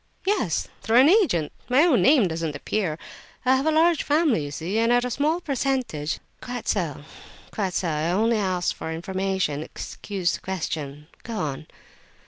"Yes, through an agent. My own name doesn't appear. I have a large family, you see, and at a small percentage—" "Quite so, quite so. I only asked for information—excuse the question. Go on."